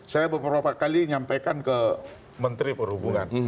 saya beberapa kali nyampaikan ke menteri perhubungan